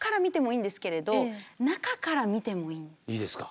いいですか。